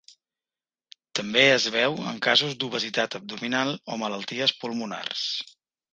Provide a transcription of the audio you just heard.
També es veu en casos d'obesitat abdominal o malalties pulmonars.